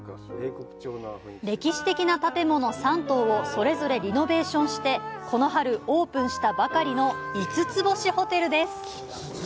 歴史的な建物３棟をそれぞれリノベーションしてこの春オープンしたばかりの五つ星ホテルです。